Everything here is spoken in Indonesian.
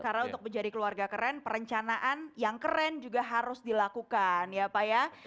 karena untuk menjadi keluarga keren perencanaan yang keren juga harus dilakukan ya pak ya